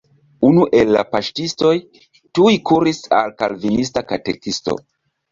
Unu el la paŝtistoj tuj kuris al kalvinista katekisto.